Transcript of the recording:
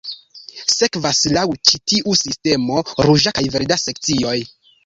Sekvas laŭ ĉi tiu sistemo ruĝa kaj verda sekcioj.